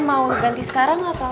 mau ganti sekarang atau